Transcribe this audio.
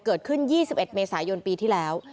เกิดขึ้น๒๑เมษายนปีที่แล้ว